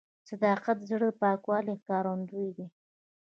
صداقت د زړه د پاکوالي ښکارندوی دی.